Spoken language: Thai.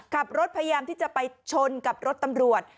พยายามที่จะไปชนกับรถตำรวจ